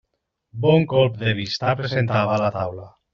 Bon colp de vista presentava la taula.